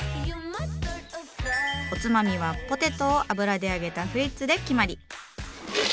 おつまみはポテトを油で揚げた「フリッツ」で決まり。